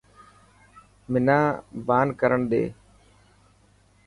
منان بان ڪرڻ ڏي.